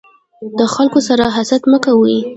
د خلکو سره حسد مه کوی.